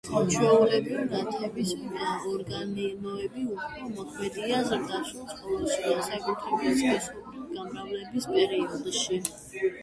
ჩვეულებრივ ნათების ორგანოები უფრო მოქმედია ზრდასრულ ცხოველში, განსაკუთრებით სქესობრივი გამრავლების პერიოდში.